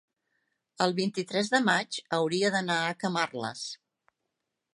el vint-i-tres de maig hauria d'anar a Camarles.